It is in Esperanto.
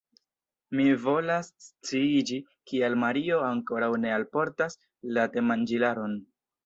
Mi volas sciiĝi, kial Mario ankoraŭ ne alportas la temanĝilaron.